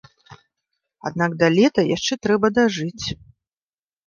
Аднак да лета яшчэ трэба дажыць.